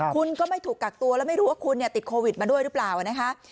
คุณก็ไม่ถูกกักตัวแล้วไม่รู้ว่าคุณติดโควิดมาด้วยหรือเปล่านะคะ